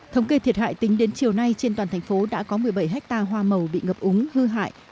thống kê thiệt hại tính đến chiều nay trên toàn thành phố đã có một mươi bảy ha hoa màu bị ngập úng hư hại